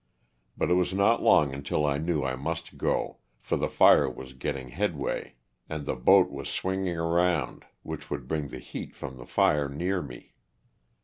But it was not long until I knew I must go, for the fire was getting head way and the boat was swinging around which would bring the heat from the fire near me.